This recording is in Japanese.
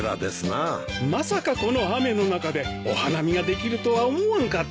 まさかこの雨の中でお花見ができるとは思わんかった。